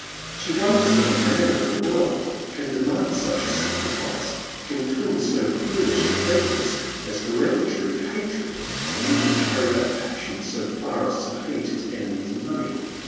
She wonders that a man of the world can demand such a sacrifice, can cling to so foolish a prejudice as liereditary hatred, and even carry that passion so far as to hr.te his enemy's money.